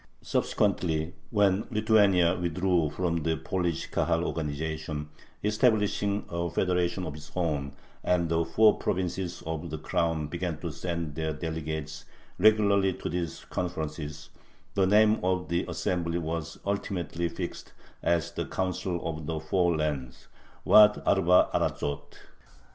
Subsequently, when Lithuania withdrew from the Polish Kahal organization, establishing a federation of its own, and the four provinces of the Crown began to send their delegates regularly to these conferences, the name of the assembly was ultimately fixed as "the Council of the Four Lands" (Waad Arba Aratzoth).